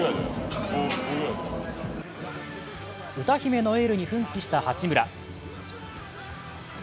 歌姫のエールに奮起した八村。